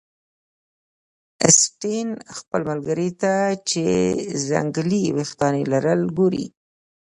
اسټین خپل ملګري ته چې ځنګلي ویښتان لري ګوري